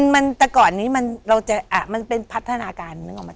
มันแต่ก่อนนี้มันเป็นพัฒนาการนึกออกไหม